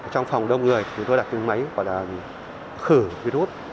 trong phòng đông người chúng tôi đặt từng máy gọi là khử virus